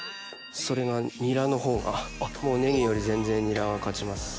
それがニラの方がネギより全然ニラが勝ちます。